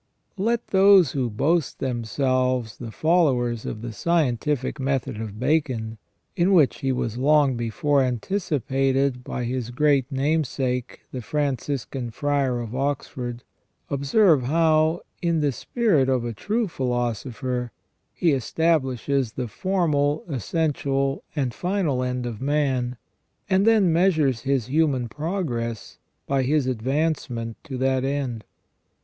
Let those who boast themselves the followers of the scientific method of Bacon, in which he was long before anticipated by his great namesake the Franciscan friar of Oxford, observe how, in the spirit of a true philosopher, he establishes the formal, essential, and final end of man, and then measures his human progress by his advancement to that end.